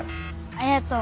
ありがとう。